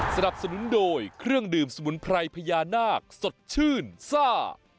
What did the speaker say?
สนับสนุนโดยเครื่องดื่มสมุนไพรพญานาคสดชื่นซ่า